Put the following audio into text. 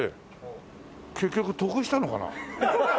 結局得したのかな？